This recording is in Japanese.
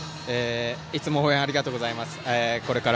いつも応援ありがとうございます。